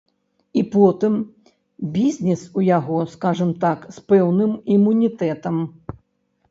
І потым, бізнес у яго, скажам так, з пэўным імунітэтам.